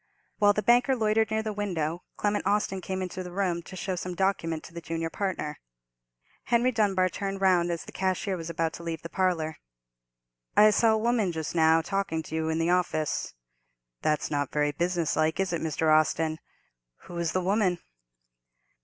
While the banker loitered near the window, Clement Austin came into the room, to show some document to the junior partner. Henry Dunbar turned round as the cashier was about to leave the parlour. "I saw a woman just now talking to you in the office. That's not very business like, is it, Mr. Austin? Who is the woman?"